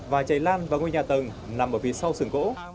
và cháy lan vào ngôi nhà tầng nằm ở phía sau sườn gỗ